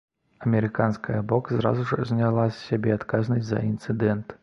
Амерыканская бок адразу ж зняла з сябе адказнасць за інцыдэнт.